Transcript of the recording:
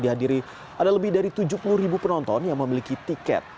dihadiri ada lebih dari tujuh puluh ribu penonton yang memiliki tiket